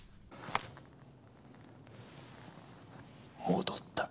戻った。